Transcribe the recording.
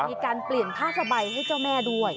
มีการเปลี่ยนผ้าสบายให้เจ้าแม่ด้วย